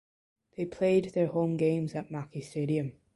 They played their home games at Mackay Stadium.